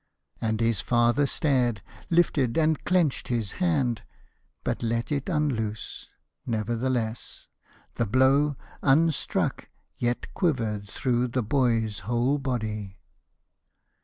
And his father stared, Lifted and clenched his hand, but let it unloose, Nerveless. The blow, unstruck, yet quivered through The boy's whole body.